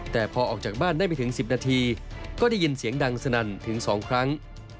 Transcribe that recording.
แต่พอออกจากบ้านได้ไม่ถึง๑๐นาทีก็ได้ยินเสียงดังสนั่นถึง๒ครั้ง